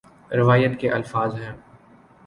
روایت کے الفاظ ہیں